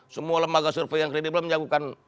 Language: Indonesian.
semua lembaga survei yang kredibel menjagukan